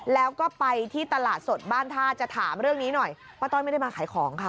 แล้วก็ไปที่ตลาดสดบ้านท่าจะถามเรื่องนี้หน่อยป้าต้อยไม่ได้มาขายของค่ะ